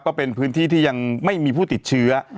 ก็เป็นพื้นที่ที่ยังไม่มีผู้ติดเชื้อ